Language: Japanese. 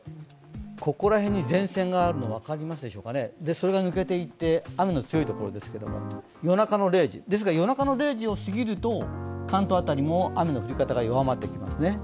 ここら辺に前線があるんですがそれが抜けていって、雨の強いところですけれども、夜中の０時を過ぎると、関東辺りも雨の降り方が弱まってきます。